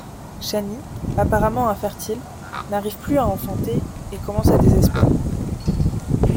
Chani, apparemment infertile, n'arrive plus à enfanter et commence à désespérer.